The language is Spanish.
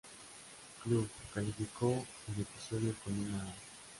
Club" calificó el episodio con una A-.